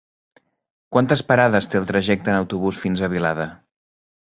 Quantes parades té el trajecte en autobús fins a Vilada?